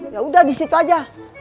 yaudah di situ aja